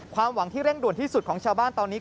หวังที่เร่งด่วนที่สุดของชาวบ้านตอนนี้